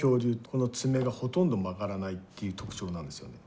この爪がほとんど曲がらないっていう特徴なんですよね。